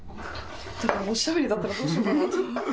だからおしゃべりだったらどうしようかなと思って。